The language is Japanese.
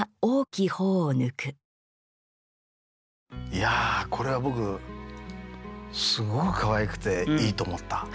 いやこれは僕すごくかわいくていいと思った。